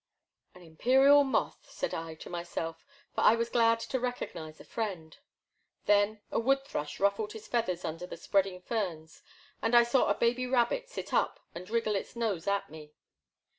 *' An Imperial Moth,'* said I to myself, for I was glad to recognize a friend. Then a wood thrush ruffled his feathers under the spreading ferns, and I saw a baby rabbit sit up and wriggle its nose at me.